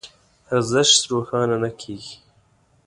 ارزش روښانه نه کېږي.